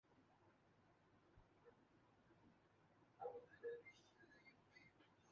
حکم لگانا، فیصلہ سنانا، قانون وضع کرنا اورفتویٰ جاری کرنا درحقیقت، عدلیہ اور حکومت کا کام ہے